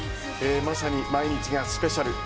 まさに毎日がスペシャル。